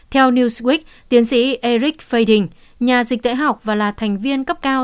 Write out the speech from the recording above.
theo newsweek tiến sĩ eric fading nhà dịch tễ học và là thành viên cấp cao